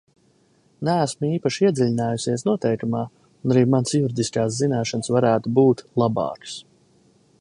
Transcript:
Neesmu īpaši iedziļinājusies noteikumā un arī manas juridiskās zināšanas varētu būt labākas.